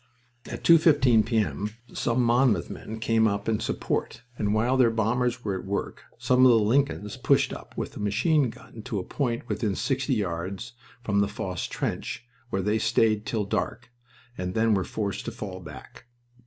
At 2.15 P.M. some Monmouth men came up in support, and while their bombers were at work some of the Lincolns pushed up with a machine gun to a point within sixty yards from the Fosse trench, where they stayed till dark, and then were forced to fall back.